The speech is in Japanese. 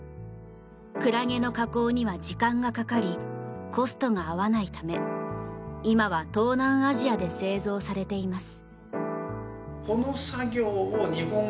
くらげの加工には時間がかかりコストが合わないため今は東南アジアで製造されています。